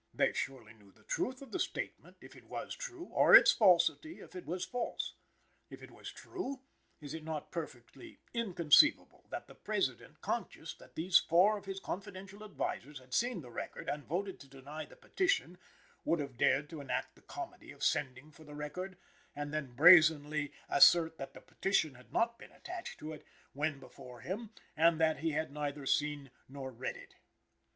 They surely knew the truth of the statement, if it was true, or its falsity, if it was false. If it was true, is it not perfectly inconceivable that the President, conscious that these four of his confidential advisers had seen the record and voted to deny the petition, would have dared to enact the comedy of sending for the record, and then brazenly assert that the petition had not been attached to it when before him, and that he had neither seen nor read it?